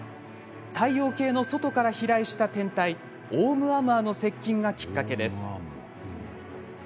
太陽系の外から飛来した天体オウムアムアの接近がきっかけです。